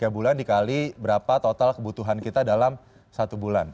tiga bulan dikali berapa total kebutuhan kita dalam satu bulan